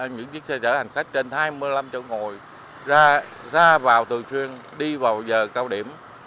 những chiếc xe chở hành khách trên hai mươi năm chỗ ngồi ra vào thường xuyên đi vào giờ cao điểm